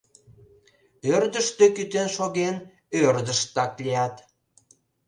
Ӧрдыжтӧ кӱтен шоген, ӧрдыжтак лият.